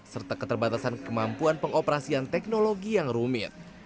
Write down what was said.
serta keterbatasan kemampuan pengoperasian teknologi yang rumit